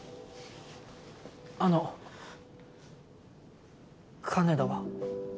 あの金田は。